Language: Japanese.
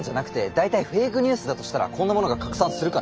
大体フェイクニュースだとしたらこんなものが拡散するかな？